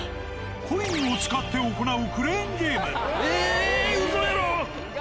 コインを使って行うクレーンえー、うそやろ？